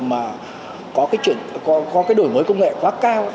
mà có cái đổi mới công nghệ quá cao